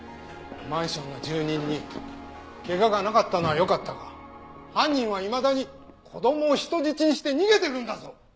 マンションの住人に怪我がなかったのはよかったが犯人はいまだに子供を人質にして逃げてるんだぞ！